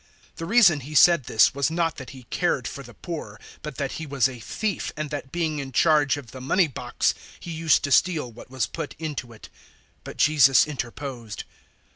012:006 The reason he said this was not that he cared for the poor, but that he was a thief, and that being in charge of the money box, he used to steal what was put into it. 012:007 But Jesus interposed.